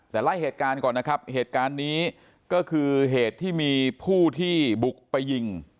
แต่ไล่เหตุการณ์ก่อนนะครับเหตุการณ์นี้ก็คือเหตุที่มีผู้ที่บุกไปยิง